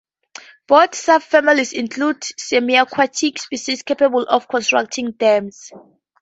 Both subfamilies include semiaquatic species capable of constructing dams.